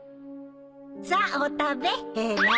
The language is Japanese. さあお食べヘラ